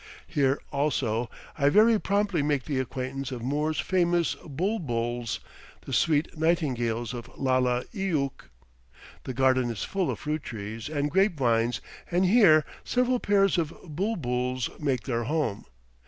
Here, also, I very promptly make the acquaintance of Moore's famous bul buls, the "sweet nightingales" of Lalla Eookh. The garden is full of fruit trees and grape vines, and here several pairs of bul buls make their home.